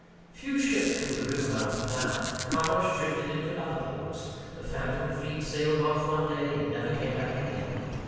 Few ships come to Rivermouth now. Commerce drifted into other ports. The phantom fleet sailed off one day, and never came back again.